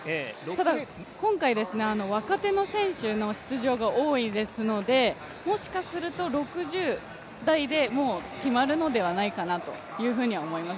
ただ、今回、若手の選手の出場が多いですのでもしかすると６０台で決まるのではないかなと思います。